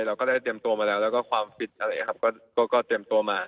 เราก็ได้เตรียมตัวมาแล้วแล้วก็ความฟิตอะไรครับก็ก็เตรียมตัวมา